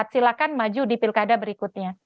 silakan maju di pilkada berikutnya